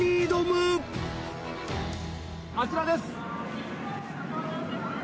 あちらです！